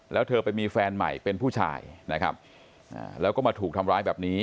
แล้วเธอไปมีแฟนใหม่เป็นผู้ชายนะครับแล้วก็มาถูกทำร้ายแบบนี้